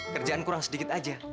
kerjaan kurang sedikit aja